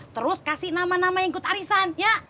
terus kasih nama nama yang ikut arisan ya